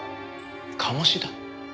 鴨志田？